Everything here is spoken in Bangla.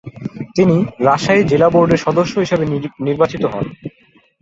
তিনি রাজশাহী জেলা বোর্ডের সদস্য নির্বাচিত হন।